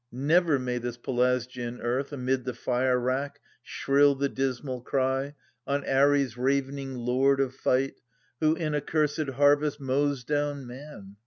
— Never may this Pelasgian earth, Amid the fire wrack, shrill the dismal cry On Are^, ravening lord of fight, Who in aeeacs^ harvest mows down man